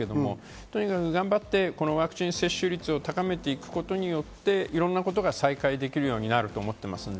とにかく頑張ってワクチン接種率を高めていくことによって、いろんなことが再開できるようになると思っています。